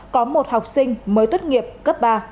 có một học sinh mới tuất nghiệp cấp ba